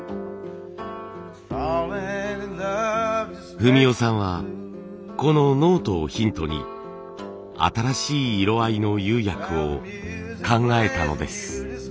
文雄さんはこのノートをヒントに新しい色合いの釉薬を考えたのです。